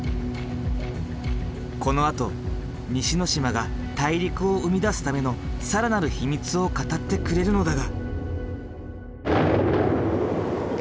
このあと西之島が大陸を生み出すための更なる秘密を語ってくれるのだが。